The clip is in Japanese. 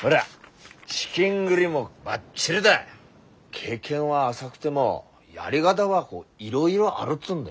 経験は浅くてもやり方はいろいろあるっつうんだ。